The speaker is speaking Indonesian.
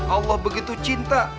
allah begitu cinta